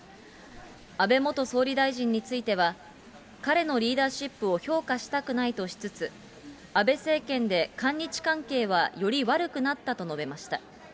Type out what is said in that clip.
安倍元総理大臣については、彼のリーダーシップを評価したくないとしつつ、安倍政権で韓日関係はより悪くなったと述べました。